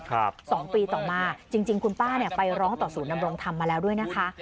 สองปีต่อมาจริงจริงคุณป้าเนี่ยไปร้องต่อศูนย์ดำรงธรรมมาแล้วด้วยนะคะ